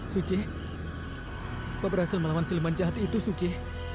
suci kau berhasil melawan si lemban jahat itu suci